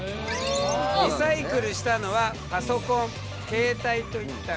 リサイクルしたのはパソコン携帯といった小型家電。